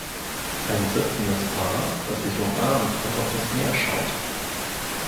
Ein sitzendes Paar, das sich umarmt und auf das Meer schaut